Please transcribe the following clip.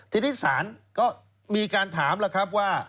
ทีนี้ศาลก็มีการถามว่า